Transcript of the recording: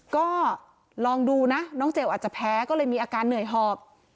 ก็ลองดูนะน้องเจลอาจจะแพ้ก็เลยมีอาการเหนื่อยหอบ